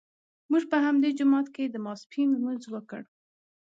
موږ په همدې جومات کې د ماسپښین لمونځ وکړ.